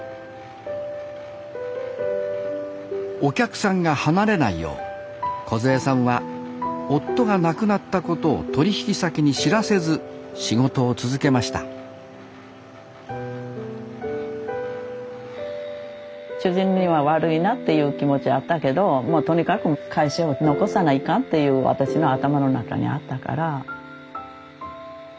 お客さんが離れないようこずえさんは夫が亡くなったことを取引先に知らせず仕事を続けました主人には悪いなっていう気持ちあったけどもうとにかく会社を残さないかんっていう私の頭の中にあったから。